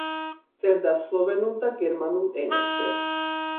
წერდა სლოვენურ და გერმანულ ენებზე.